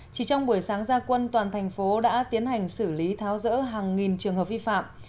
chỉ trong buổi sáng ra quân toàn thành phố đã tiến hành xử lý tháo rỡ hàng nghìn trường hợp vi phạm